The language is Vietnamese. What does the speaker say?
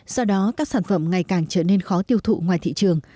do đó các sản phẩm ngày càng trở nên khó tiêu thụ ngoài thị trường